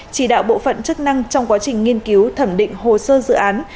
chỉ đạo bộ phận chức năng trong quá trình nghiên cứu thẩm định hồ sơ dự án